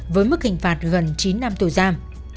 với mức hình phạt gần chín năm tù giam